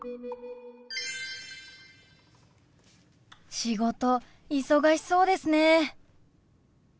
仕事忙しそうですね。